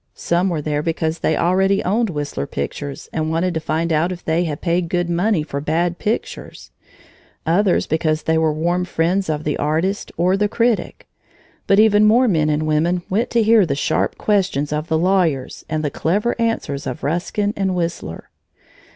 Some were there because they already owned Whistler pictures and wanted to find out if they had paid good money for bad pictures; others because they were warm friends of the artist or the critic; but even more men and women went to hear the sharp questions of the lawyers and the clever answers of Ruskin and Whistler.